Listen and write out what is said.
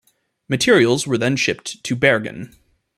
Materials were then shipped to Bergen.